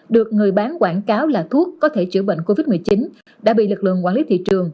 được người bán quảng cáo là thuốc có thể chữa bệnh covid một mươi chín đã bị lực lượng quản lý thị trường